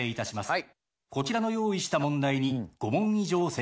はい。